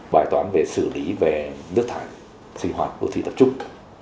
bài toán về xử lý về nước thải sinh hoạt đô thị tập trung